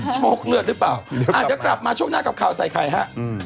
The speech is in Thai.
โชคเลือดหรือเปล่าอาจจะกลับมาช่วงหน้ากับข่าวใส่ไข่ฮะ